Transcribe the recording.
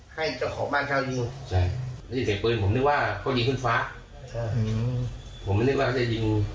ไข่ต้องขอบ้านเช่าอยู่ให้เจี๋ยวพิมพ์นึกว่าพอหยิงขึ้นฟ้าผมแน็ตบาทไปยิง